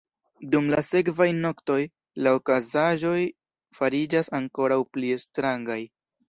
Dum la sekvaj noktoj, la okazaĵoj fariĝas ankoraŭ pli strangaj.